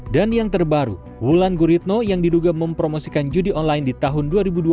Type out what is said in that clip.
dan yang terbaru wulan guritno yang diduga mempromosikan judi online di tahun dua ribu dua puluh